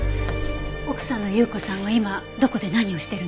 奥さんの有雨子さんは今どこで何をしてるの？